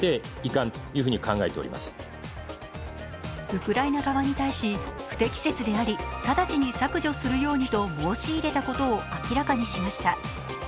ウクライナ側に対し、不適切であり直ちに削除するようにと申し入れたことを明らかにしました。